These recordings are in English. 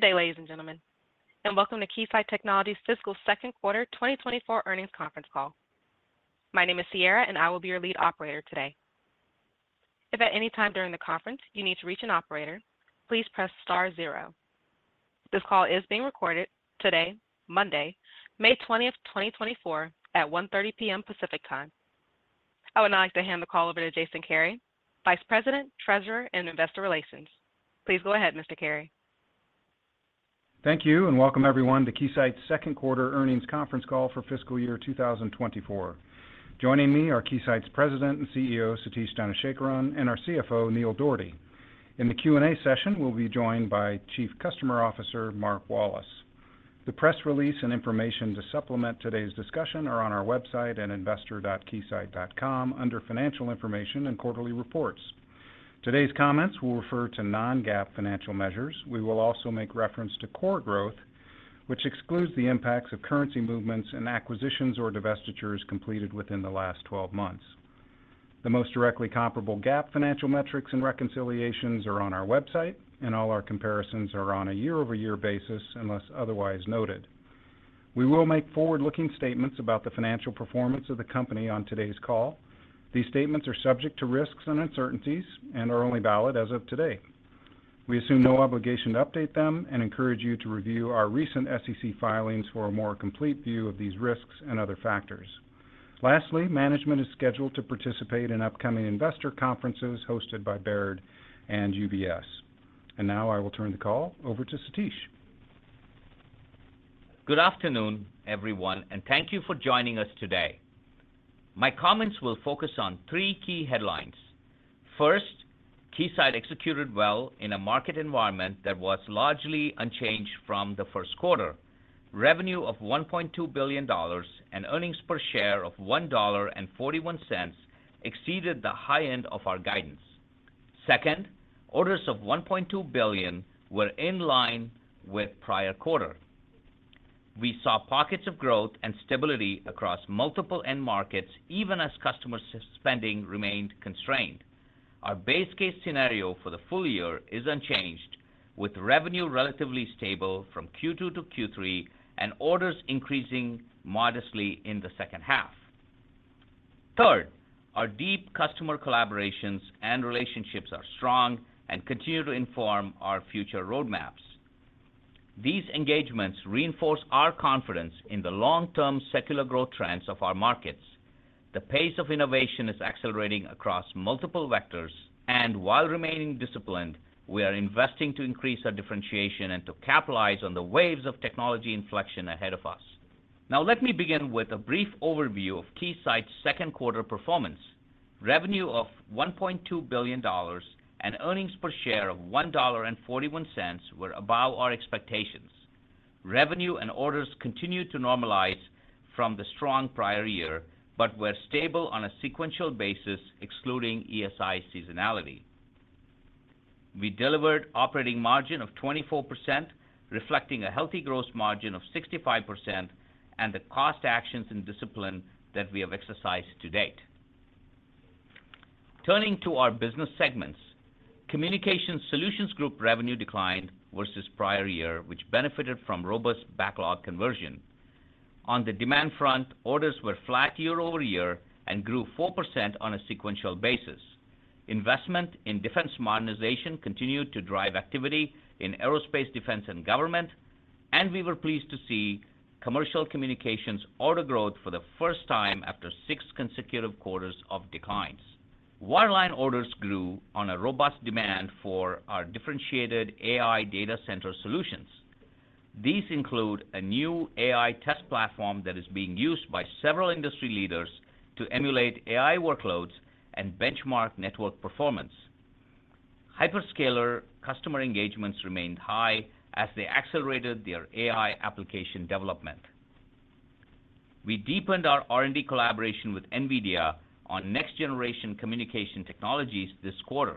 Good day, ladies and gentlemen, and welcome to Keysight Technologies' fiscal second quarter 2024 earnings conference call. My name is Sierra, and I will be your lead operator today. If at any time during the conference you need to reach an operator, please press star zero. This call is being recorded today, Monday, May 20th, 2024, at 1:30 P.M. Pacific Time. I would now like to hand the call over to Jason Kary, Vice President, Treasurer, and Investor Relations. Please go ahead, Mr. Kary. Thank you and welcome everyone to Keysight's second quarter earnings conference call for fiscal year 2024. Joining me are Keysight's President and CEO, Satish Dhanasekaran, and our CFO, Neil Dougherty. In the Q&A session, we'll be joined by Chief Customer Officer, Mark Wallace. The press release and information to supplement today's discussion are on our website at investor.keysight.com under financial information and quarterly reports. Today's comments will refer to non-GAAP financial measures. We will also make reference to core growth, which excludes the impacts of currency movements and acquisitions or divestitures completed within the last 12 months. The most directly comparable GAAP financial metrics and reconciliations are on our website, and all our comparisons are on a year-over-year basis, unless otherwise noted. We will make forward-looking statements about the financial performance of the company on today's call. These statements are subject to risks and uncertainties and are only valid as of today. We assume no obligation to update them and encourage you to review our recent SEC filings for a more complete view of these risks and other factors. Lastly, management is scheduled to participate in upcoming investor conferences hosted by Baird and UBS. And now I will turn the call over to Satish. Good afternoon, everyone, and thank you for joining us today. My comments will focus on three key headlines. First, Keysight executed well in a market environment that was largely unchanged from the first quarter. Revenue of $1.2 billion and earnings per share of $1.41 exceeded the high end of our guidance. Second, orders of $1.2 billion were in line with prior quarter. We saw pockets of growth and stability across multiple end markets, even as customer spending remained constrained. Our base case scenario for the full year is unchanged, with revenue relatively stable from Q2 to Q3 and orders increasing modestly in the second half. Third, our deep customer collaborations and relationships are strong and continue to inform our future roadmaps. These engagements reinforce our confidence in the long-term secular growth trends of our markets. The pace of innovation is accelerating across multiple vectors, and while remaining disciplined, we are investing to increase our differentiation and to capitalize on the waves of technology inflection ahead of us. Now, let me begin with a brief overview of Keysight's second quarter performance. Revenue of $1.2 billion and earnings per share of $1.41 were above our expectations. Revenue and orders continued to normalize from the strong prior year, but were stable on a sequential basis, excluding ESI seasonality. We delivered operating margin of 24%, reflecting a healthy gross margin of 65% and the cost actions and discipline that we have exercised to date. Turning to our business segments, Communications Solutions Group revenue declined versus prior year, which benefited from robust backlog conversion. On the demand front, orders were flat year-over-year and grew 4% on a sequential basis. Investment in defense modernization continued to drive activity in aerospace, defense, and government, and we were pleased to see commercial communications order growth for the first time after six consecutive quarters of declines. Wireline orders grew on a robust demand for our differentiated AI data center solutions. These include a new AI test platform that is being used by several industry leaders to emulate AI workloads and benchmark network performance. Hyperscaler customer engagements remained high as they accelerated their AI application development. We deepened our R&D collaboration with NVIDIA on next-generation communication technologies this quarter.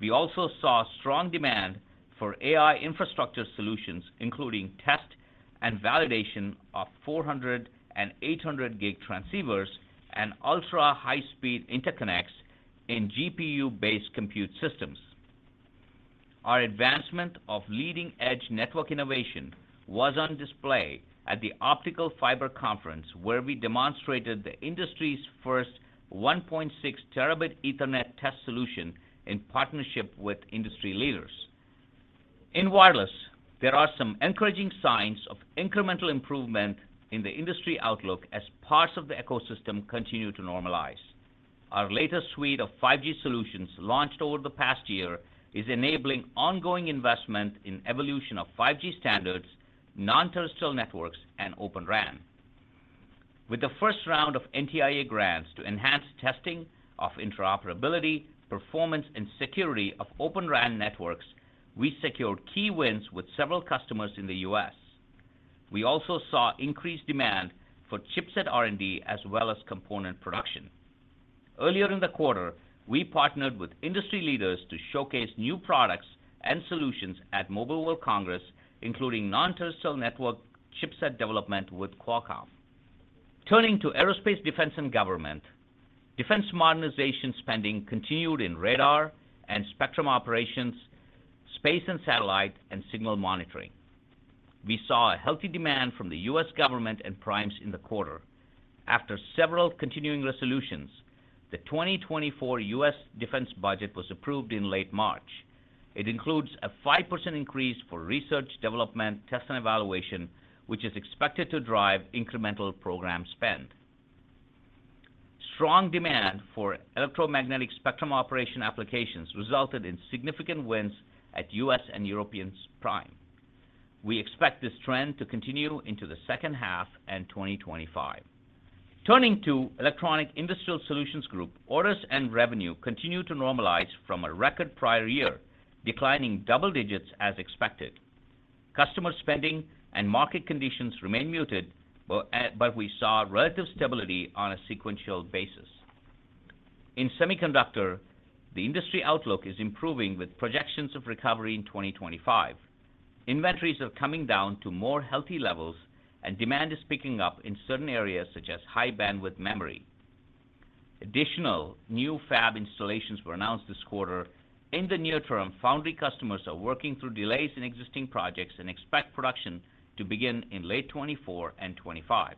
We also saw strong demand for AI infrastructure solutions, including test and validation of 400- and 800-gig transceivers and ultra-high-speed interconnects in GPU-based compute systems. Our advancement of leading-edge network innovation was on display at the Optical Fiber Conference, where we demonstrated the industry's first 1.6 Terabit Ethernet Test Solution in partnership with industry leaders. In wireless, there are some encouraging signs of incremental improvement in the industry outlook as parts of the ecosystem continue to normalize. Our latest suite of 5G solutions, launched over the past year, is enabling ongoing investment in evolution of 5G standards, Non-Terrestrial Networks, and Open RAN. With the first round of NTIA grants to enhance testing of interoperability, performance, and security of Open RAN networks, we secured key wins with several customers in the U.S. We also saw increased demand for chipset R&D as well as component production. Earlier in the quarter, we partnered with industry leaders to showcase new products and solutions at Mobile World Congress, including non-terrestrial network chipset development with Qualcomm. Turning to aerospace, defense, and government. Defense modernization spending continued in radar and spectrum operations, space and satellite, and signal monitoring. We saw a healthy demand from the U.S. government and primes in the quarter. After several continuing resolutions, the 2024 U.S. defense budget was approved in late March. It includes a 5% increase for research, development, test, and evaluation, which is expected to drive incremental program spend. Strong demand for electromagnetic spectrum operations applications resulted in significant wins at U.S. and European primes. We expect this trend to continue into the second half and 2025. Turning to Electronic Industrial Solutions Group, orders and revenue continue to normalize from a record prior year, declining double digits as expected. Customer spending and market conditions remain muted, but, but we saw relative stability on a sequential basis. In semiconductor, the industry outlook is improving, with projections of recovery in 2025. Inventories are coming down to more healthy levels, and demand is picking up in certain areas, such as High Bandwidth Memory. Additional new fab installations were announced this quarter. In the near term, foundry customers are working through delays in existing projects and expect production to begin in late 2024 and 2025.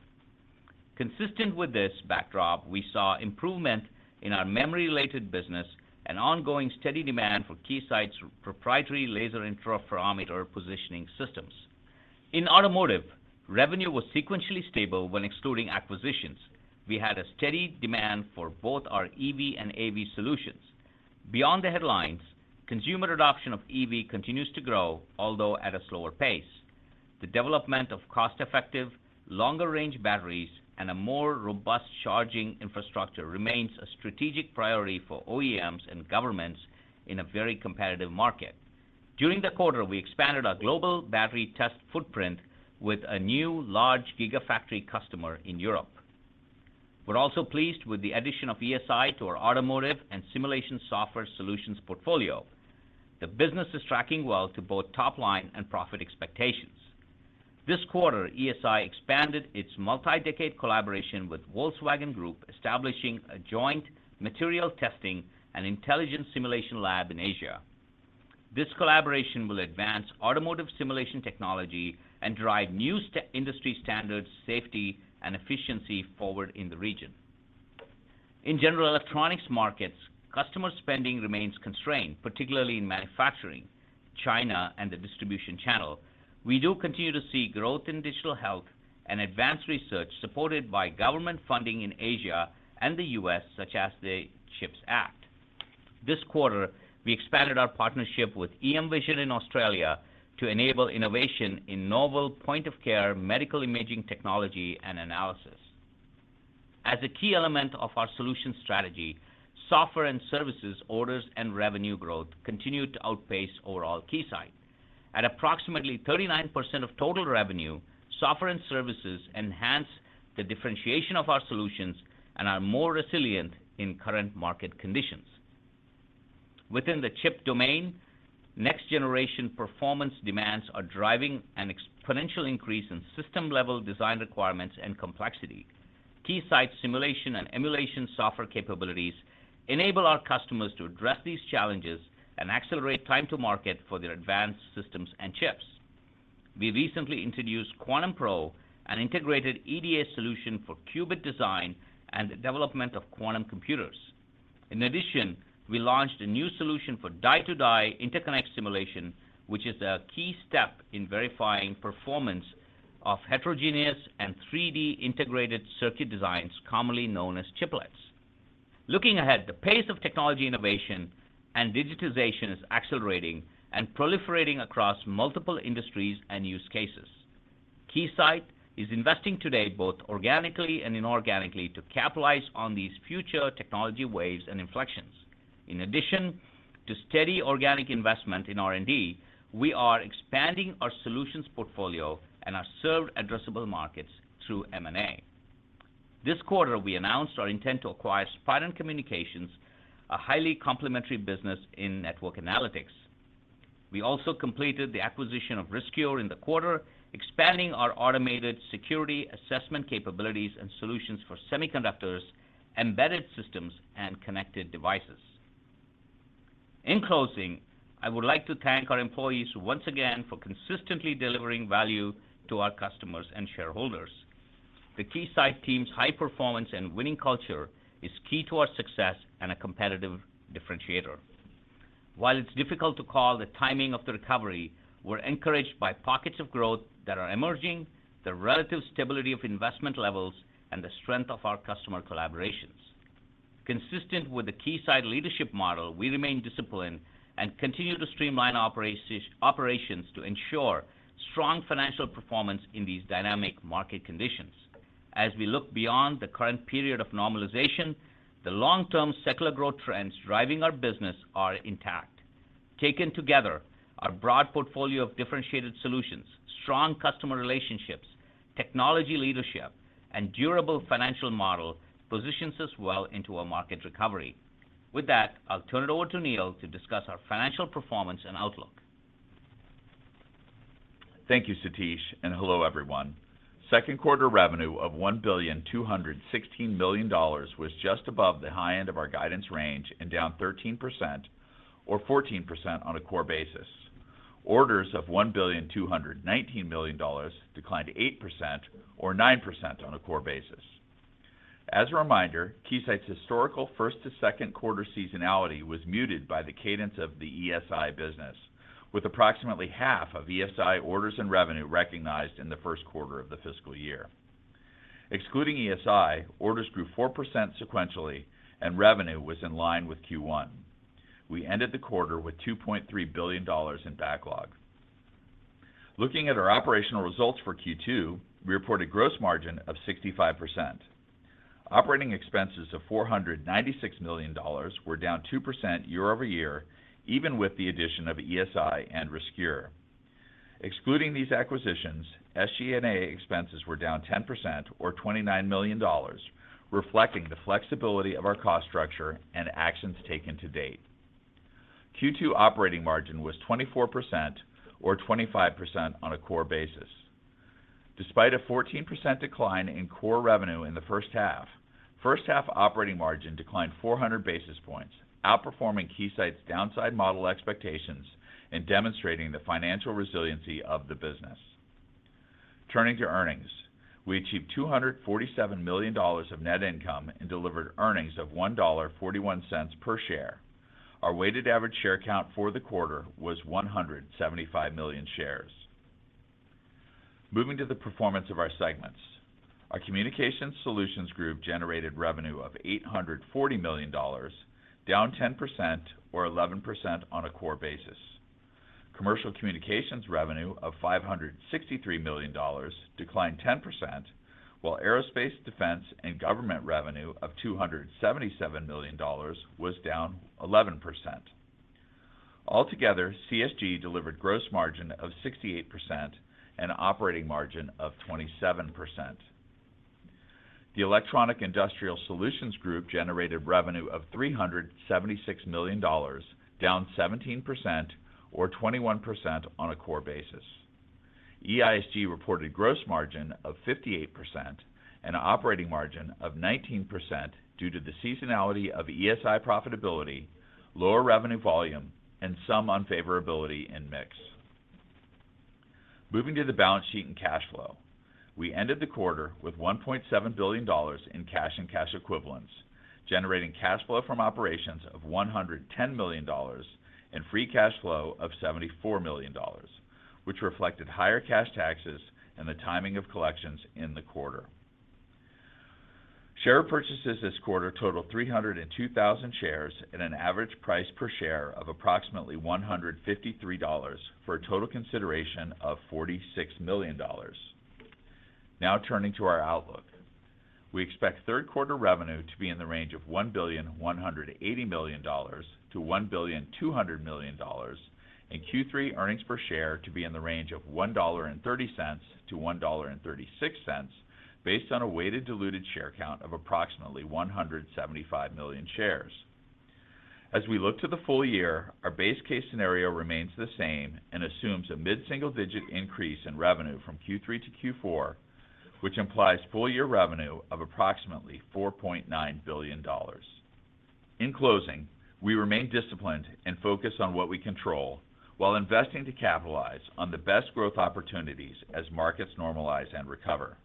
Consistent with this backdrop, we saw improvement in our memory-related business and ongoing steady demand for Keysight's proprietary Laser Interferometer Positioning Systems. In automotive, revenue was sequentially stable when excluding acquisitions. We had a steady demand for both our EV and AV solutions. Beyond the headlines, consumer adoption of EV continues to grow, although at a slower pace. The development of cost-effective, longer-range batteries and a more robust charging infrastructure remains a strategic priority for OEMs and governments in a very competitive market. During the quarter, we expanded our global battery test footprint with a new large gigafactory customer in Europe. We're also pleased with the addition of ESI to our automotive and simulation software solutions portfolio. The business is tracking well to both top line and profit expectations. This quarter, ESI expanded its multi-decade collaboration with Volkswagen Group, establishing a joint material testing and intelligence simulation lab in Asia. This collaboration will advance automotive simulation technology and drive new industry standards, safety, and efficiency forward in the region. In general electronics markets, customer spending remains constrained, particularly in manufacturing, China, and the distribution channel. We do continue to see growth in digital health and advanced research, supported by government funding in Asia and the U.S., such as the CHIPS Act. This quarter, we expanded our partnership with EMVision in Australia to enable innovation in novel point-of-care medical imaging technology and analysis. As a key element of our solution strategy, software and services, orders and revenue growth continued to outpace overall Keysight. At approximately 39% of total revenue, software and services enhance the differentiation of our solutions and are more resilient in current market conditions. Within the chip domain, next-generation performance demands are driving an exponential increase in system-level design requirements and complexity. Keysight simulation and emulation software capabilities enable our customers to address these challenges and accelerate time to market for their advanced systems and chips. We recently introduced QuantumPro, an integrated EDA solution for qubit design and the development of quantum computers. In addition, we launched a new solution for die-to-die interconnect simulation, which is a key step in verifying performance of heterogeneous and 3D integrated circuit designs, commonly known as chiplets. Looking ahead, the pace of technology innovation and digitization is accelerating and proliferating across multiple industries and use cases. Keysight is investing today, both organically and inorganically, to capitalize on these future technology waves and inflections. In addition to steady organic investment in R&D, we are expanding our solutions portfolio and our served addressable markets through M&A. This quarter, we announced our intent to acquire Spirent Communications, a highly complementary business in network analytics. We also completed the acquisition of Riscure in the quarter, expanding our automated security assessment capabilities and solutions for semiconductors, embedded systems, and connected devices. In closing, I would like to thank our employees once again for consistently delivering value to our customers and shareholders. The Keysight team's high performance and winning culture is key to our success and a competitive differentiator. While it's difficult to call the timing of the recovery, we're encouraged by pockets of growth that are emerging, the relative stability of investment levels, and the strength of our customer collaborations. Consistent with the Keysight leadership model, we remain disciplined and continue to streamline operations to ensure strong financial performance in these dynamic market conditions. As we look beyond the current period of normalization, the long-term secular growth trends driving our business are intact. Taken together, our broad portfolio of differentiated solutions, strong customer relationships, technology leadership, and durable financial model positions us well into a market recovery. With that, I'll turn it over to Neil to discuss our financial performance and outlook. Thank you, Satish, and hello, everyone. Second quarter revenue of $1.216 billion was just above the high end of our guidance range and down 13% or 14% on a core basis. Orders of $1.219 billion declined to 8% or 9% on a core basis. As a reminder, Keysight's historical first-to-second quarter seasonality was muted by the cadence of the ESI business, with approximately half of ESI orders and revenue recognized in the first quarter of the fiscal year. Excluding ESI, orders grew 4% sequentially and revenue was in line with Q1. We ended the quarter with $2.3 billion in backlog. Looking at our operational results for Q2, we reported gross margin of 65%. Operating expenses of $496 million were down 2% year-over-year, even with the addition of ESI and Riscure. Excluding these acquisitions, SG&A expenses were down 10% or $29 million, reflecting the flexibility of our cost structure and actions taken to date. Q2 operating margin was 24% or 25% on a core basis. Despite a 14% decline in core revenue in the first half, first half operating margin declined 400 basis points, outperforming Keysight's downside model expectations and demonstrating the financial resiliency of the business. Turning to earnings, we achieved $247 million of net income and delivered earnings of $1.41 per share. Our weighted average share count for the quarter was 175 million shares. Moving to the performance of our segments. Our Communications Solutions Group generated revenue of $840 million, down 10% or 11% on a core basis. Commercial communications revenue of $563 million declined 10%, while aerospace, defense, and government revenue of $277 million was down 11%. Altogether, CSG delivered gross margin of 68% and operating margin of 27%. The Electronic Industrial Solutions Group generated revenue of $376 million, down 17% or 21% on a core basis. EISG reported gross margin of 58% and an operating margin of 19% due to the seasonality of ESI profitability, lower revenue volume, and some unfavourability in mix. Moving to the balance sheet and cash flow. We ended the quarter with $1.7 billion in cash and cash equivalents, generating cash flow from operations of $110 million and free cash flow of $74 million, which reflected higher cash taxes and the timing of collections in the quarter. Share purchases this quarter totaled 302,000 shares at an average price per share of approximately $153, for a total consideration of $46 million. Now, turning to our outlook. We expect third quarter revenue to be in the range of $1.18 billion-$1.2 billion, and Q3 earnings per share to be in the range of $1.30-$1.36, based on a weighted diluted share count of approximately 175 million shares. As we look to the full year, our base case scenario remains the same and assumes a mid-single-digit increase in revenue from Q3 to Q4, which implies full year revenue of approximately $4.9 billion. In closing, we remain disciplined and focused on what we control while investing to capitalize on the best growth opportunities as markets normalize and recover.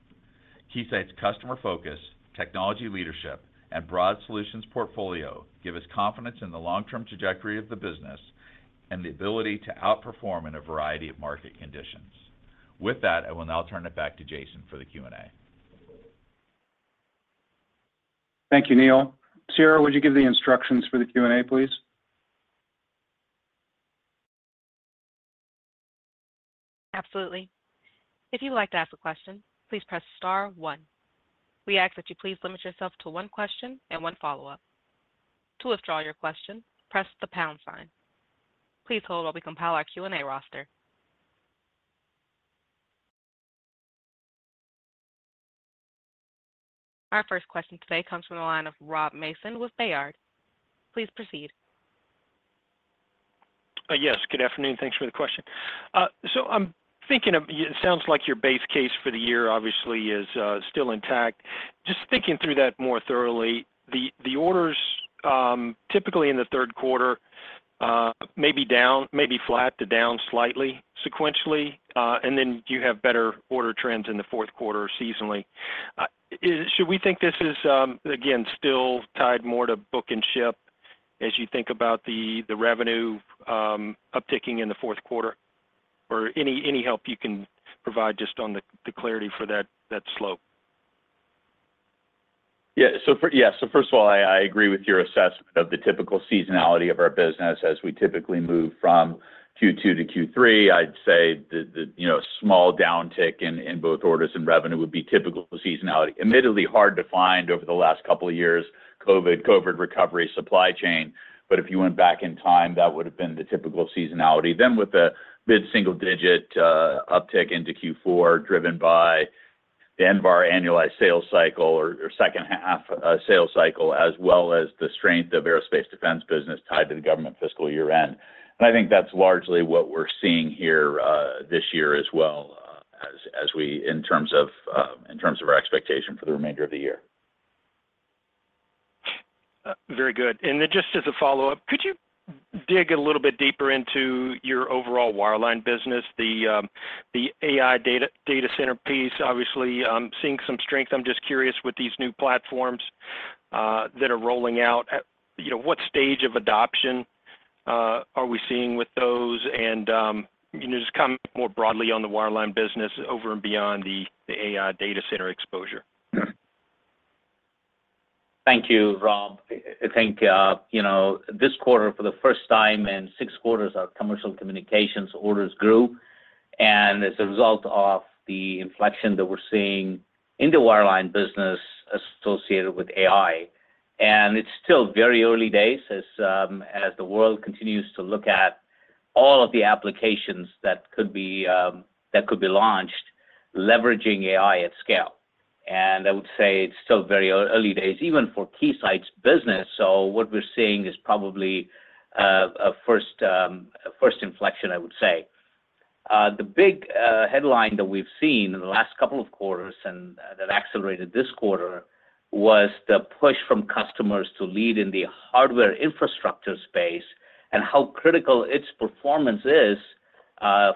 Keysight's customer focus, technology leadership, and broad solutions portfolio give us confidence in the long-term trajectory of the business and the ability to outperform in a variety of market conditions. With that, I will now turn it back to Jason for the Q&A. Thank you, Neil. Sierra, would you give the instructions for the Q&A, please? Absolutely. If you'd like to ask a question, please press star one. We ask that you please limit yourself to one question and one follow-up. To withdraw your question, press the pound sign. Please hold while we compile our Q&A roster. Our first question today comes from the line of Rob Mason with Baird. Please proceed. Yes, good afternoon. Thanks for the question. It sounds like your base case for the year obviously is still intact. Just thinking through that more thoroughly, the orders typically in the third quarter may be down, may be flat to down slightly sequentially, and then you have better order trends in the fourth quarter seasonally. Should we think this is again still tied more to book and ship as you think about the revenue upticking in the fourth quarter? Or any help you can provide just on the clarity for that slope. Yeah. Yes, so first of all, I agree with your assessment of the typical seasonality of our business. As we typically move from Q2 to Q3, I'd say the, you know small downtick in both orders and revenue would be typical seasonality. Admittedly, hard to find over the last couple of years, COVID recovery, supply chain, but if you went back in time, that would have been the typical seasonality. Then with a mid-single digit uptick into Q4, driven by the NAVAIR annualized sales cycle or second half sales cycle, as well as the strength of aerospace defense business tied to the government fiscal year-end. And I think that's largely what we're seeing here this year as well, as we in terms of our expectation for the remainder of the year. Very good. And then just as a follow-up, could you dig a little bit deeper into your overall wireline business, the AI data center piece? Obviously, I'm seeing some strength. I'm just curious with these new platforms that are rolling out, you know, what stage of adoption are we seeing with those? And you know, just comment more broadly on the wireline business over and beyond the AI data center exposure. Thank you, Rob. I think, you know, this quarter, for the first time in six quarters, our commercial communications orders grew, and as a result of the inflection that we're seeing in the wireline business associated with AI. And it's still very early days as the world continues to look at all of the applications that could be that could be launched, leveraging AI at scale. And I would say it's still very early days, even for Keysight's business, so what we're seeing is probably a first a first inflection, I would say. The big headline that we've seen in the last couple of quarters and that accelerated this quarter was the push from customers to lead in the hardware infrastructure space and how critical its performance is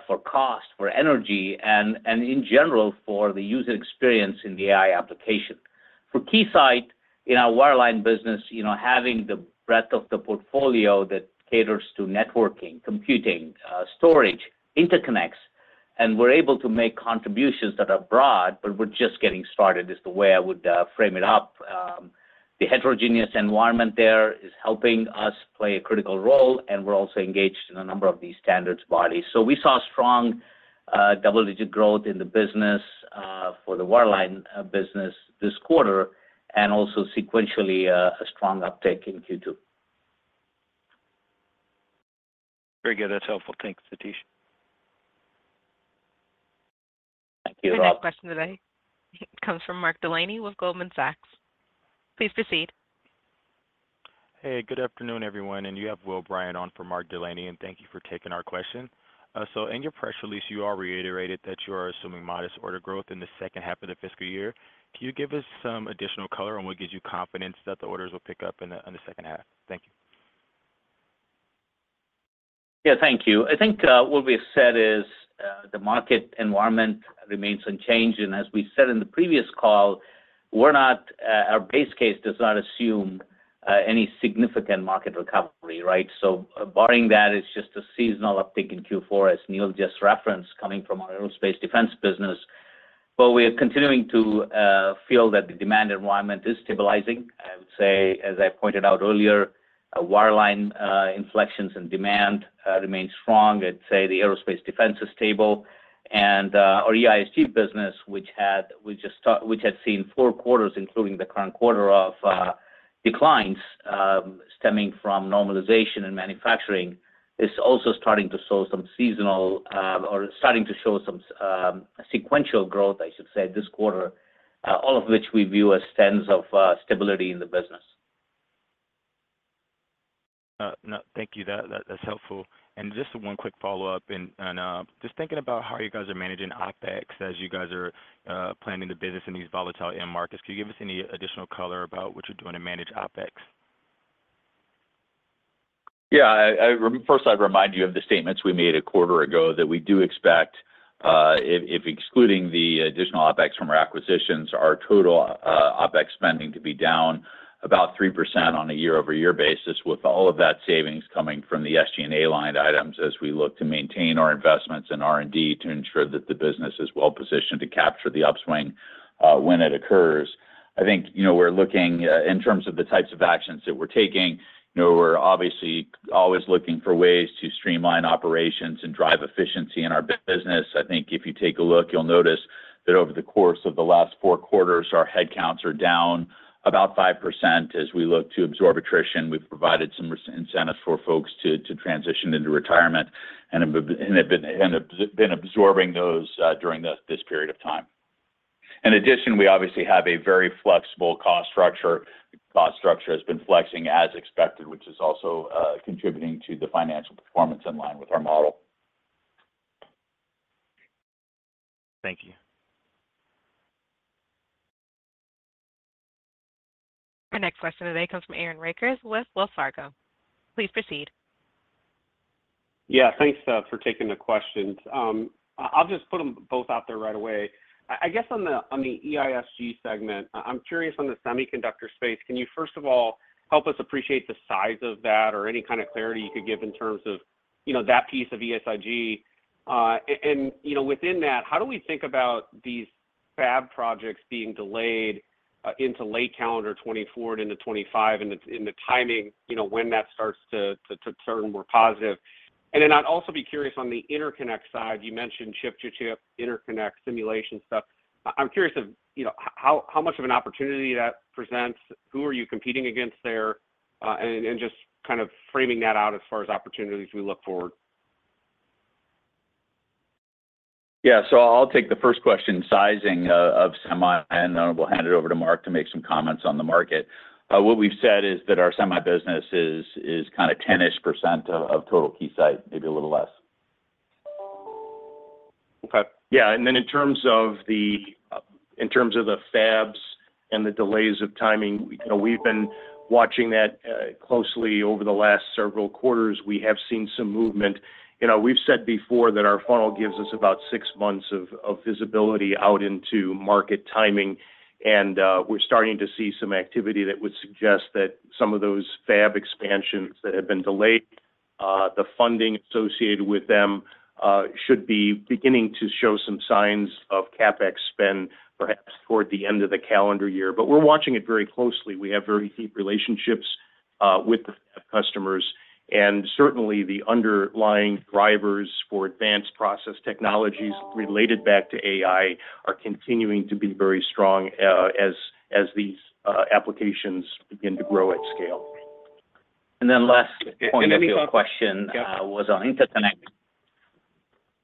for cost, for energy, and, and in general, for the user experience in the AI application. For Keysight, in our wireline business, you know, having the breadth of the portfolio that caters to networking, computing, storage, interconnects, and we're able to make contributions that are broad, but we're just getting started, is the way I would frame it up. The heterogeneous environment there is helping us play a critical role, and we're also engaged in a number of these standards bodies. So we saw strong double-digit growth in the business for the wireline business this quarter, and also sequentially, a strong uptick in Q2. Very good. That's helpful. Thanks, Satish. Thank you, Rob. Your next question today comes from Mark Delaney with Goldman Sachs. Please proceed. Hey, good afternoon, everyone, and you have Will Bryant on for Mark Delaney, and thank you for taking our question. So in your press release, you all reiterated that you are assuming modest order growth in the second half of the fiscal year. Can you give us some additional color on what gives you confidence that the orders will pick up in the second half? Thank you. Yeah, thank you. I think what we said is the market environment remains unchanged, and as we said in the previous call, we're not our base case does not assume any significant market recovery, right? So barring that, it's just a seasonal uptick in Q4, as Neil just referenced, coming from our aerospace defense business. But we are continuing to feel that the demand environment is stabilizing. I would say, as I pointed out earlier, wireline inflections and demand remain strong. I'd say the aerospace defense is stable, and our EISG business, which had seen four quarters, including the current quarter, of declines stemming from normalization in manufacturing, is also starting to show some seasonal or sequential growth, I should say, this quarter, all of which we view as trends of stability in the business. No, thank you. That, that's helpful. And just one quick follow-up and, and, just thinking about how you guys are managing OpEx as you guys are, planning the business in these volatile end markets, can you give us any additional color about what you're doing to manage OpEx? Yeah. I first I'd remind you of the statements we made a quarter ago, that we do expect, if excluding the additional OpEx from our acquisitions, our total OpEx spending to be down about 3% on a year-over-year basis, with all of that savings coming from the SG&A line items, as we look to maintain our investments in R&D to ensure that the business is well positioned to capture the upswing, when it occurs. I think, you know, we're looking in terms of the types of actions that we're taking, you know, we're obviously always looking for ways to streamline operations and drive efficiency in our business. I think if you take a look, you'll notice that over the course of the last four quarters, our headcounts are down about 5%. As we look to absorb attrition, we've provided some retirement incentives for folks to transition into retirement and have been absorbing those during this period of time. In addition, we obviously have a very flexible cost structure. Cost structure has been flexing as expected, which is also contributing to the financial performance in line with our model. Thank you. Our next question today comes from Aaron Rakers with Wells Fargo. Please proceed. Yeah, thanks, for taking the questions. I'll just put them both out there right away. I guess on the EISG segment, I'm curious on the semiconductor space. Can you first of all, help us appreciate the size of that or any kind of clarity you could give in terms of, you know, that piece of EISG? And you know, within that, how do we think about these fab projects being delayed, into late calendar 2024 and into 2025, and the timing, you know, when that starts to turn more positive? And then I'd also be curious on the interconnect side. You mentioned chip-to-chip, interconnect, simulation stuff. I'm curious of, you know, how much of an opportunity that presents? Who are you competing against there? And just kind of framing that out as far as opportunities we look forward. Yeah, so I'll take the first question, sizing of semi, and then we'll hand it over to Mark to make some comments on the market. What we've said is that our semi business is kind of 10%-ish of total Keysight, maybe a little less. Okay. Yeah, and then in terms of the fabs and the delays of timing, you know, we've been watching that closely over the last several quarters. We have seen some movement. You know, we've said before that our funnel gives us about six months of visibility out into market timing, and we're starting to see some activity that would suggest that some of those fab expansions that have been delayed, the funding associated with them, should be beginning to show some signs of CapEx spend, perhaps toward the end of the calendar year. But we're watching it very closely. We have very deep relationships with the customers, and certainly the underlying drivers for advanced process technologies related back to AI are continuing to be very strong, as these applications begin to grow at scale. And then last point of your question- Yeah. was on interconnect.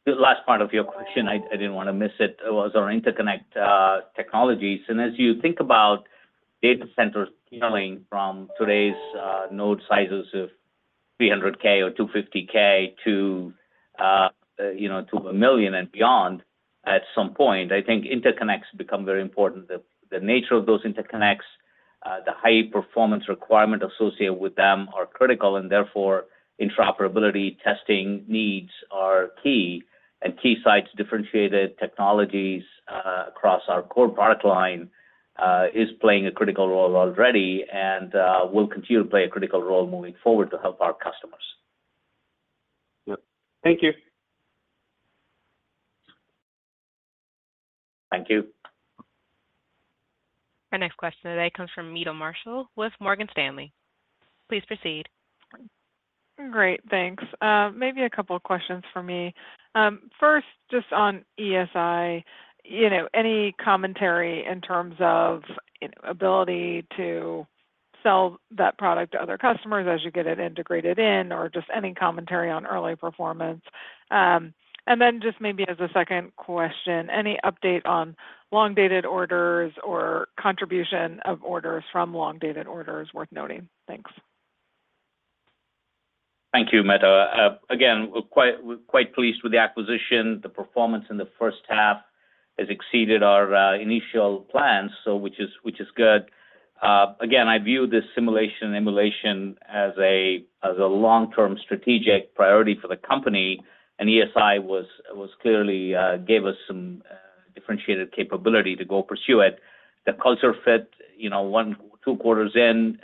The last part of your question, I didn't wanna miss it, was on interconnect technologies. And as you think about data centers scaling from today's node sizes of 300K or 250K to, you know, to 1 million and beyond, at some point, I think interconnects become very important. The nature of those interconnects, the high-performance requirement associated with them are critical, and therefore interoperability testing needs are key. And Keysight's differentiated technologies across our core product line is playing a critical role already and will continue to play a critical role moving forward to help our customers. Yep. Thank you. Thank you. Our next question today comes from Meta Marshall with Morgan Stanley. Please proceed. Great, thanks. Maybe a couple of questions for me. First, just on ESI, you know, any commentary in terms of, ability to sell that product to other customers as you get it integrated in, or just any commentary on early performance? And then just maybe as a second question, any update on long-dated orders or contribution of orders from long-dated orders worth noting? Thanks. Thank you, Meta. Again, we're quite, we're quite pleased with the acquisition. The performance in the first half has exceeded our, initial plans, so which is, which is good. Again, I view this simulation and emulation as a, as a long-term strategic priority for the company, and ESI was, was clearly, gave us some, differentiated capability to go pursue it. The culture fit, you know, one, two quarters in,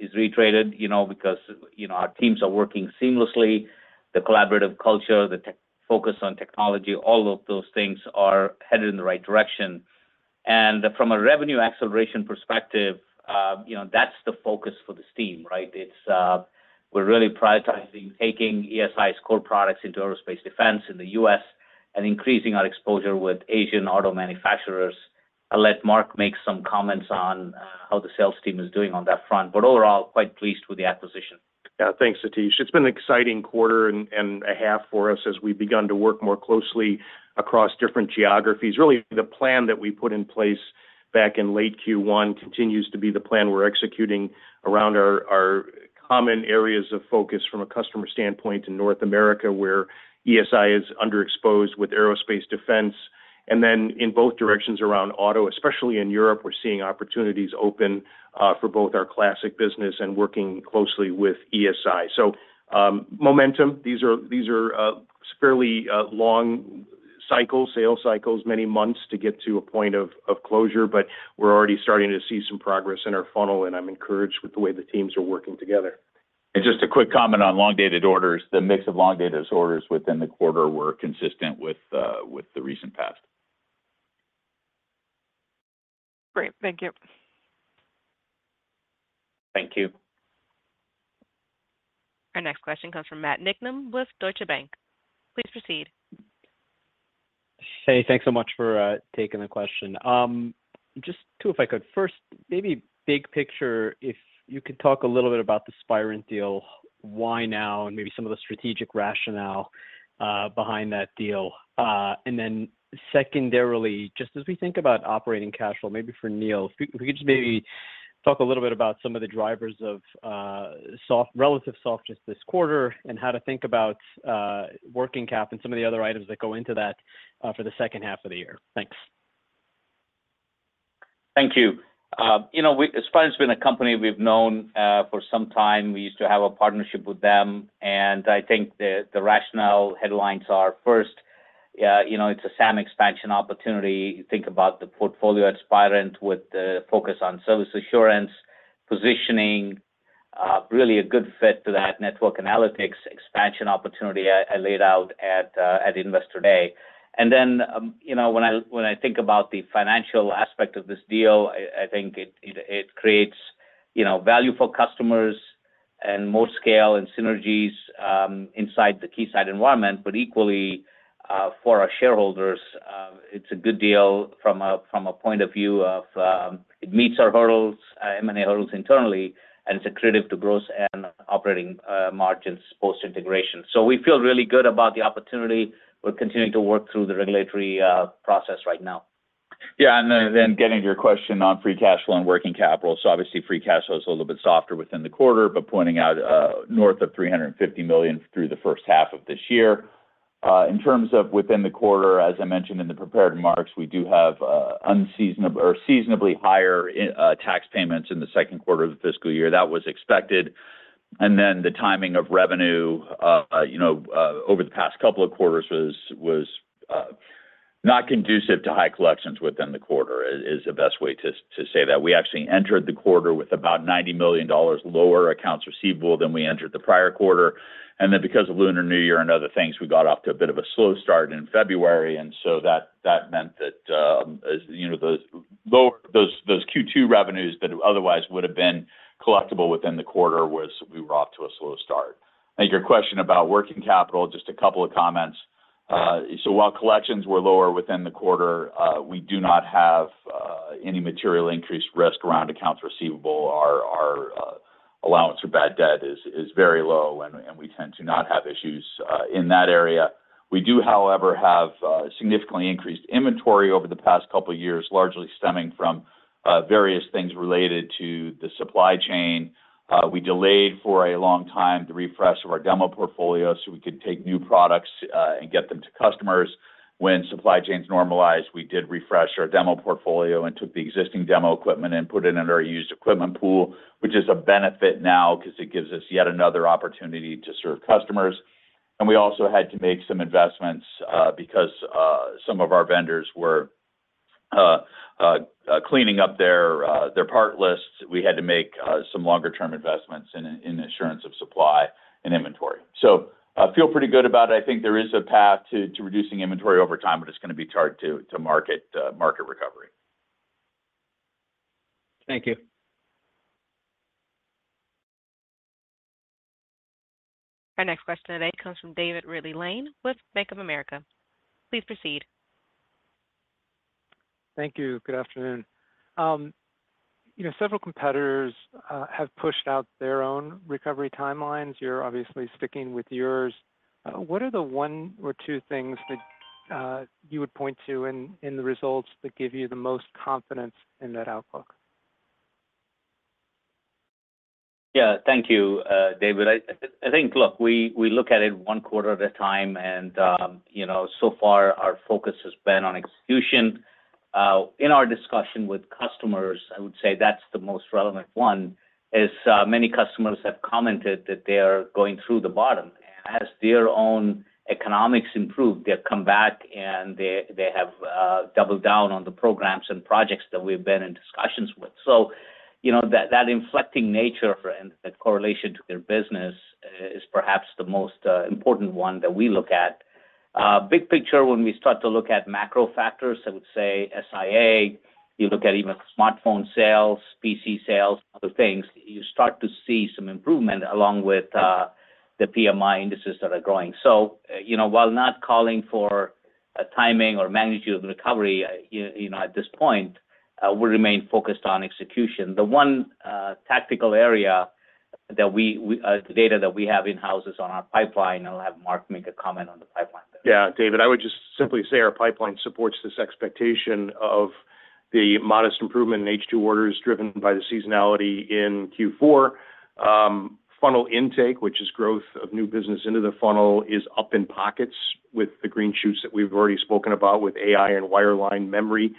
is great, you know, because, you know, our teams are working seamlessly. The collaborative culture, the tech focus on technology, all of those things are headed in the right direction. And from a revenue acceleration perspective, you know, that's the focus for this team, right? It's, we're really prioritizing taking ESI's core products into aerospace defense in the U.S. and increasing our exposure with Asian auto manufacturers. I'll let Mark make some comments on how the sales team is doing on that front, but overall, quite pleased with the acquisition. Yeah. Thanks, Satish. It's been an exciting quarter and a half for us as we've begun to work more closely across different geographies. Really, the plan that we put in place back in late Q1 continues to be the plan we're executing around our common areas of focus from a customer standpoint in North America, where ESI is underexposed with aerospace defense. And then in both directions around auto, especially in Europe, we're seeing opportunities open for both our classic business and working closely with ESI. So, momentum, these are fairly long cycle sales cycles, many months to get to a point of closure, but we're already starting to see some progress in our funnel, and I'm encouraged with the way the teams are working together. Just a quick comment on long-dated orders. The mix of long-dated orders within the quarter were consistent with, with the recent past. Great. Thank you. Thank you. Our next question comes from Matt Niknam with Deutsche Bank. Please proceed. Hey, thanks so much for taking the question. Just two, if I could. First, maybe big picture, if you could talk a little bit about the Spirent deal, why now, and maybe some of the strategic rationale behind that deal. And then secondarily, just as we think about operating cash flow, maybe for Neil, if you could just maybe talk a little bit about some of the drivers of relative softness this quarter and how to think about working cap and some of the other items that go into that for the second half of the year. Thanks. Thank you. You know, we—Spirent's been a company we've known for some time. We used to have a partnership with them, and I think the rationale headlines are, first, you know, it's a SAM expansion opportunity. Think about the portfolio at Spirent with the focus on service assurance, positioning really a good fit to that network analytics expansion opportunity I laid out at Investor Day. And then, you know, when I think about the financial aspect of this deal, I think it creates, you know, value for customers and more scale and synergies inside the Keysight environment, but equally for our shareholders. It's a good deal from a point of view of it meets our hurdles, M&A hurdles internally, and it's accretive to gross and operating margins post-integration. So we feel really good about the opportunity. We're continuing to work through the regulatory process right now. Yeah, and then getting to your question on free cash flow and working capital. So obviously, free cash flow is a little bit softer within the quarter, but pointing out north of $350 million through the first half of this year. In terms of within the quarter, as I mentioned in the prepared remarks, we do have unseasonable or seasonably higher tax payments in the second quarter of the fiscal year. That was expected. And then the timing of revenue, you know, over the past couple of quarters was not conducive to high collections within the quarter; is the best way to say that. We actually entered the quarter with about $90 million lower accounts receivable than we entered the prior quarter, and then because of Lunar New Year and other things, we got off to a bit of a slow start in February, and so that meant that, as you know, those low Q2 revenues that otherwise would have been collectible within the quarter was we were off to a slow start. And your question about working capital, just a couple of comments. So while collections were lower within the quarter, we do not have any material increased risk around accounts receivable. Our allowance for bad debt is very low, and we tend to not have issues in that area. We do, however, have significantly increased inventory over the past couple of years, largely stemming from various things related to the supply chain. We delayed for a long time the refresh of our demo portfolio, so we could take new products and get them to customers. When supply chains normalized, we did refresh our demo portfolio and took the existing demo equipment and put it in our used equipment pool, which is a benefit now 'cause it gives us yet another opportunity to serve customers. And we also had to make some investments because some of our vendors were cleaning up their part lists. We had to make some longer term investments in assurance of supply and inventory. So I feel pretty good about it. I think there is a path to reducing inventory over time, but it's gonna be tied to market recovery. Thank you. Our next question today comes from David Ridley-Lane with Bank of America. Please proceed. Thank you. Good afternoon. You know, several competitors have pushed out their own recovery timelines. You're obviously sticking with yours. What are the one or two things that you would point to in the results that give you the most confidence in that outlook? Yeah, thank you, David. I think, look, we look at it one quarter at a time, and, you know, so far our focus has been on execution. In our discussion with customers, I would say that's the most relevant one, is, many customers have commented that they are going through the bottom. As their own economics improve, they've come back and they have doubled down on the programs and projects that we've been in discussions with. So, you know, that inflecting nature and the correlation to their business is perhaps the most important one that we look at. Big picture, when we start to look at macro factors, I would say SIA, you look at even smartphone sales, PC sales, other things, you start to see some improvement along with the PMI indices that are growing. So, you know, while not calling for a timing or magnitude of recovery, you know, at this point, we remain focused on execution. The one tactical area that we have in-house is the data on our pipeline. I'll have Mark make a comment on the pipeline. Yeah, David, I would just simply say our pipeline supports this expectation of the modest improvement in H2 orders driven by the seasonality in Q4. Funnel intake, which is growth of new business into the funnel, is up in pockets with the green shoots that we've already spoken about with AI and wireline memory,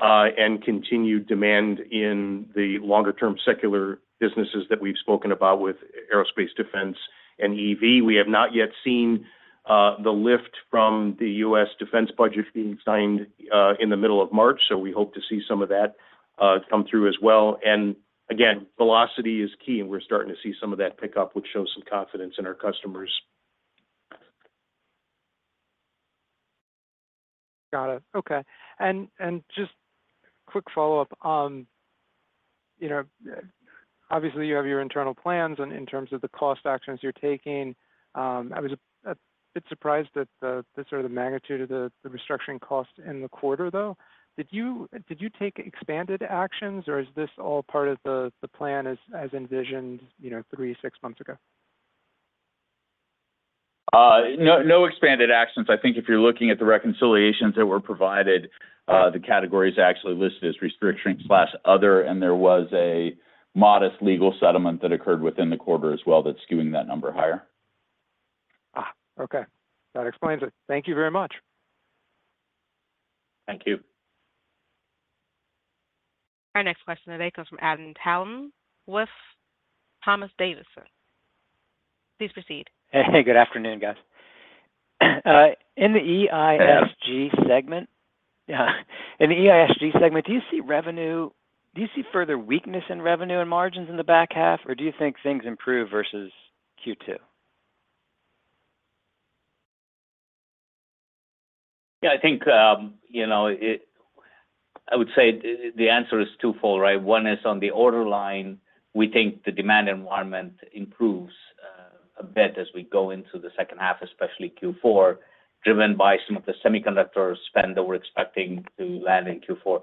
and continued demand in the longer-term secular businesses that we've spoken about with aerospace, defense, and EV. We have not yet seen the lift from the U.S. defense budget being signed in the middle of March, so we hope to see some of that come through as well. And again, velocity is key, and we're starting to see some of that pick up, which shows some confidence in our customers. Got it. Okay. And just quick follow-up on... You know, obviously, you have your internal plans and in terms of the cost actions you're taking. I was a bit surprised at the sort of the magnitude of the restructuring cost in the quarter, though. Did you take expanded actions, or is this all part of the plan as envisioned, you know, three, six months ago? No, no expanded actions. I think if you're looking at the reconciliations that were provided, the categories actually listed as restructuring/other, and there was a modest legal settlement that occurred within the quarter as well, that's skewing that number higher. Ah, okay. That explains it. Thank you very much. Thank you. Our next question today comes from Adam Thalhimer with Thompson Davis & Co. Please proceed. Hey, good afternoon, guys. In the EISG segment, yeah, do you see further weakness in revenue and margins in the back half, or do you think things improve versus Q2? Yeah, I think, you know, I would say the answer is twofold, right? One is on the order line, we think the demand environment improves a bit as we go into the second half, especially Q4, driven by some of the semiconductor spend that we're expecting to land in Q4.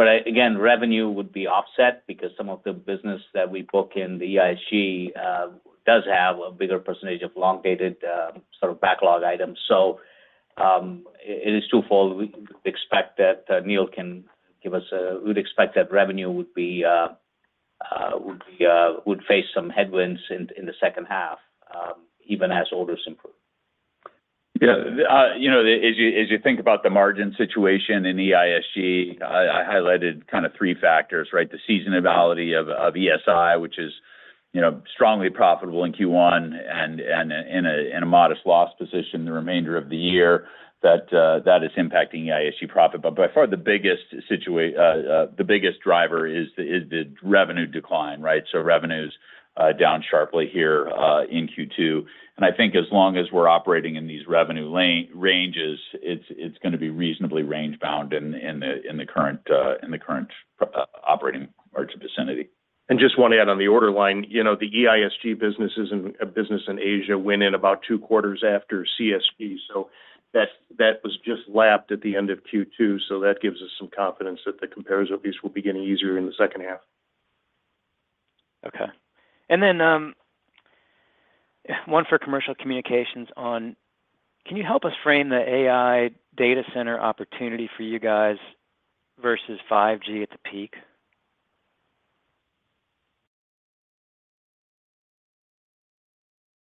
But, again, revenue would be offset because some of the business that we book in the EISG does have a bigger percentage of long-dated sort of backlog items. So, it is twofold. We expect that we'd expect that revenue would face some headwinds in the second half, even as orders improve. Yeah, you know, as you think about the margin situation in EISG, I highlighted kind of three factors, right? The seasonality of ESI, which is, you know, strongly profitable in Q1 and in a modest loss position the remainder of the year, that is impacting EISG profit. But by far the biggest driver is the revenue decline, right? So revenue's down sharply here in Q2, and I think as long as we're operating in these revenue ranges, it's gonna be reasonably range bound in the current operating margin vicinity. Just one add on the order line, you know, the EISG business in Asia went in about 2 quarters after CSP, so that, that was just lapped at the end of Q2. So that gives us some confidence that the comparators at least will be getting easier in the second half. Okay. And then one for commercial communications on... Can you help us frame the AI data center opportunity for you guys versus 5G at the peak?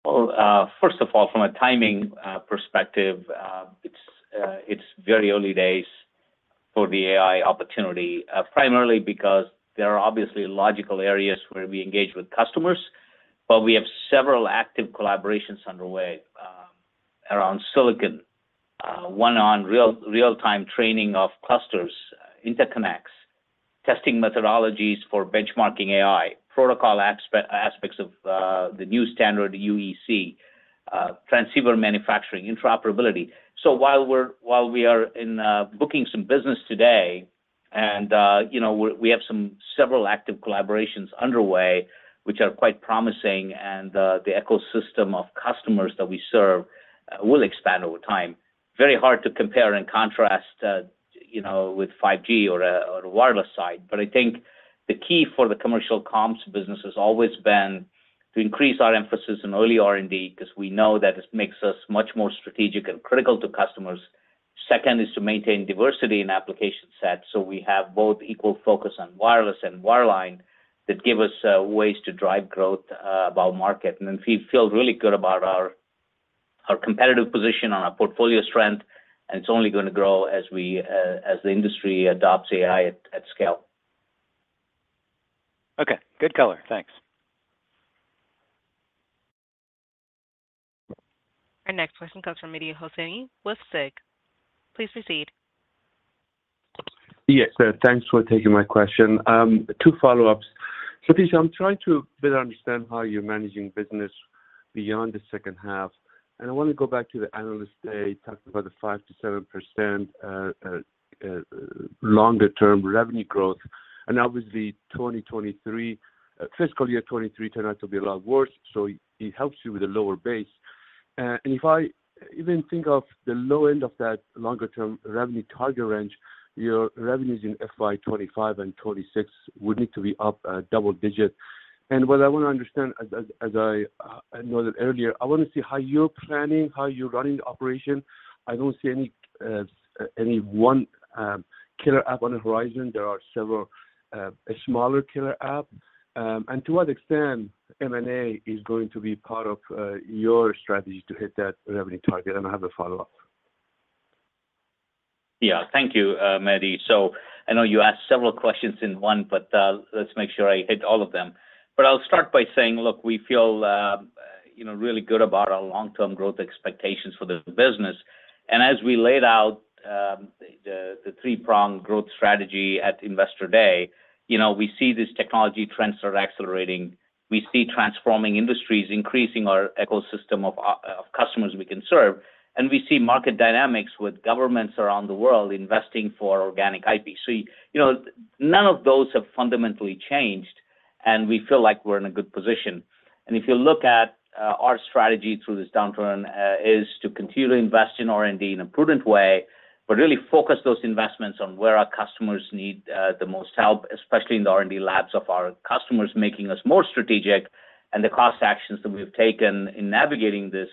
Well, first of all, from a timing perspective, it's very early days for the AI opportunity, primarily because there are obviously logical areas where we engage with customers, but we have several active collaborations underway around silicon. One on real-time training of clusters, interconnects, testing methodologies for benchmarking AI, protocol aspects of the new standard, UEC, transceiver manufacturing, interoperability. So while we are in booking some business today, and you know, we have several active collaborations underway, which are quite promising, and the ecosystem of customers that we serve will expand over time. Very hard to compare and contrast, you know, with 5G or wireless side. But I think the key for the commercial comms business has always been to increase our emphasis in early R&D, because we know that it makes us much more strategic and critical to customers. Second is to maintain diversity in application set, so we have both equal focus on wireless and wireline that give us ways to drive growth above market. And then we feel really good about our competitive position on our portfolio strength, and it's only gonna grow as we, as the industry adopts AI at scale. Okay. Good color. Thanks. Our next question comes from Mehdi Hosseini with SIG. Please proceed. Yes, sir. Thanks for taking my question. Two follow-ups. Satish, I'm trying to better understand how you're managing business beyond the second half, and I want to go back to the analyst day, talking about the 5%-7% longer term revenue growth, and obviously 2023, fiscal year 2023 turns out to be a lot worse, so it helps you with a lower base. And if I even think of the low end of that longer term revenue target range, your revenues in FY 2025 and 2026 would need to be up double-digit. And what I want to understand, as I noted earlier, I want to see how you're planning, how you're running the operation. I don't see any one killer app on the horizon. There are several smaller killer app, and to what extent M&A is going to be part of your strategy to hit that revenue target? I have a follow-up. Yeah. Thank you, Mehdi. So I know you asked several questions in one, but let's make sure I hit all of them. But I'll start by saying, look, we feel, you know, really good about our long-term growth expectations for this business. And as we laid out, the three-pronged growth strategy at Investor Day, you know, we see these technology trends are accelerating. We see transforming industries increasing our ecosystem of customers we can serve, and we see market dynamics with governments around the world investing for organic IP. So you know, none of those have fundamentally changed, and we feel like we're in a good position. And if you look at our strategy through this downturn is to continue to invest in R&D in a prudent way, but really focus those investments on where our customers need the most help, especially in the R&D labs of our customers, making us more strategic. And the cost actions that we've taken in navigating this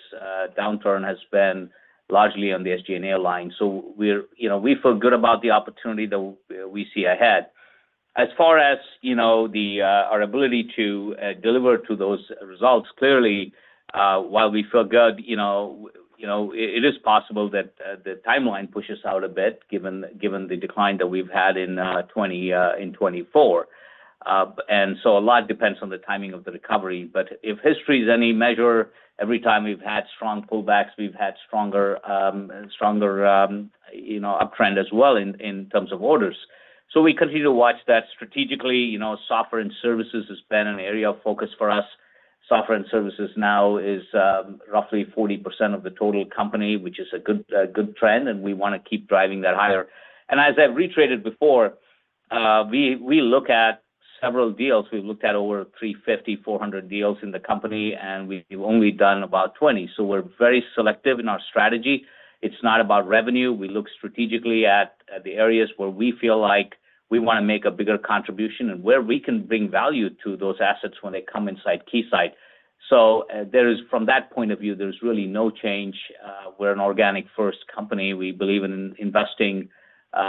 downturn has been largely on the SG&A line. So we're, you know, we feel good about the opportunity that we see ahead. As far as, you know, the our ability to deliver to those results, clearly, while we feel good, you know, you know, it is possible that the timeline pushes out a bit, given the decline that we've had in twenty in 2024. And so a lot depends on the timing of the recovery. But if history is any measure, every time we've had strong pullbacks, we've had stronger, stronger, you know, uptrend as well in terms of orders. So we continue to watch that strategically. You know, software and services has been an area of focus for us. Software and services now is roughly 40% of the total company, which is a good, good trend, and we wanna keep driving that higher. And as I've reiterated before, we look at several deals. We've looked at over 350, 400 deals in the company, and we've only done about 20. So we're very selective in our strategy. It's not about revenue. We look strategically at the areas where we feel like we wanna make a bigger contribution and where we can bring value to those assets when they come inside Keysight. So, there is, from that point of view, there's really no change. We're an organic-first company. We believe in investing,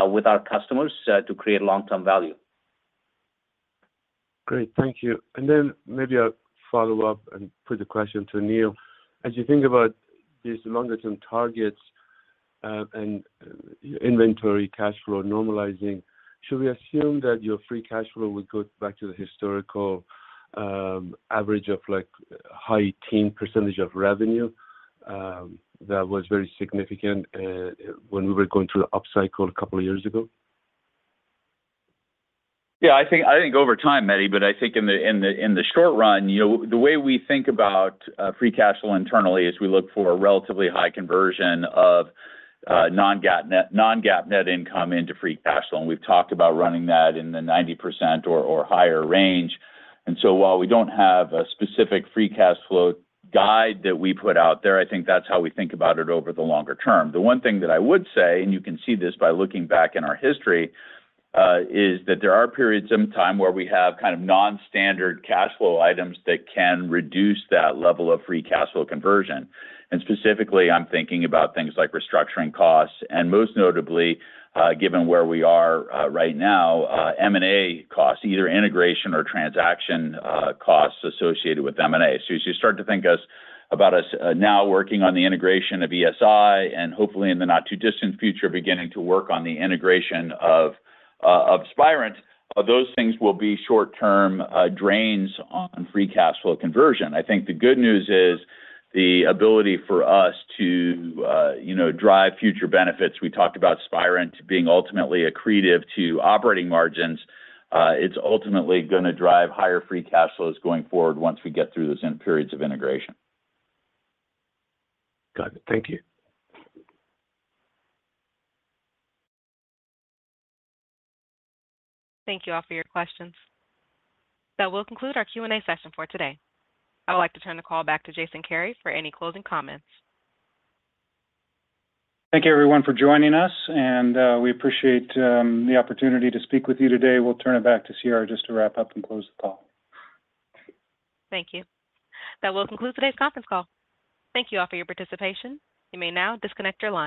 with our customers, to create long-term value. Great. Thank you. And then maybe I'll follow up and put the question to Neil. As you think about these longer-term targets, and inventory, cash flow normalizing, should we assume that your free cash flow will go back to the historical, average of, like, high-teens percentage of revenue, that was very significant, when we were going through the upcycle a couple of years ago? Yeah, I think, I think over time, Mehdi, but I think in the short run, you know, the way we think about free cash flow internally is we look for a relatively high conversion of non-GAAP net income into free cash flow, and we've talked about running that in the 90% or higher range. And so while we don't have a specific free cash flow guide that we put out there, I think that's how we think about it over the longer term. The one thing that I would say, and you can see this by looking back in our history, is that there are periods in time where we have kind of non-standard cash flow items that can reduce that level of free cash flow conversion. Specifically, I'm thinking about things like restructuring costs, and most notably, given where we are right now, M&A costs, either integration or transaction costs associated with M&A. So as you start to think about us now working on the integration of ESI and hopefully in the not-too-distant future, beginning to work on the integration of Spirent, those things will be short-term drains on free cash flow conversion. I think the good news is the ability for us to you know, drive future benefits. We talked about Spirent being ultimately accretive to operating margins. It's ultimately gonna drive higher free cash flows going forward once we get through those periods of integration. Got it. Thank you. Thank you all for your questions. That will conclude our Q&A session for today. I would like to turn the call back to Jason Kary for any closing comments. Thank you, everyone, for joining us, and we appreciate the opportunity to speak with you today. We'll turn it back to Sierra just to wrap up and close the call. Thank you. That will conclude today's conference call. Thank you all for your participation. You may now disconnect your line.